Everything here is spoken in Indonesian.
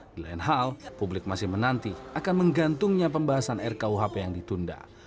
di lain hal publik masih menanti akan menggantungnya pembahasan rkuhp yang ditunda